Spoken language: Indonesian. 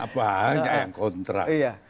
banyak yang kontra